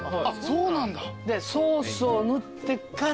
そうなんだ。